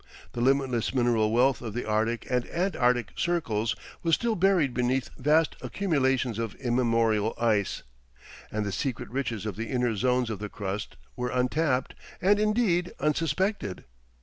The limitless mineral wealth of the Arctic and Antarctic circles was still buried beneath vast accumulations of immemorial ice, and the secret riches of the inner zones of the crust were untapped and indeed unsuspected.